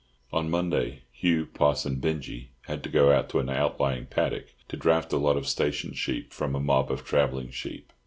On Monday, Hugh, Poss, and Binjie had to go out to an outlying paddock to draft a lot of station sheep from a mob of travelling sheep.